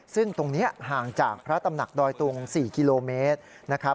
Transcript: ซึ่งตรงนี้ห่างจากพระตำหนักดอยตุง๔กิโลเมตรนะครับ